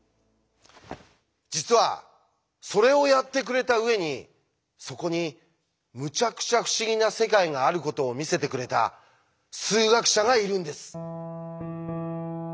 実はそれをやってくれた上にそこにむちゃくちゃ不思議な世界があることを見せてくれた数学者がいるんです。